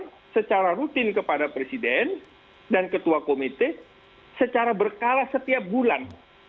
saya sampaikan secara rutin kepada presiden dan ketua komite secara berkala setiap bulan